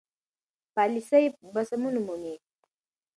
پالیسي به سمون ومومي.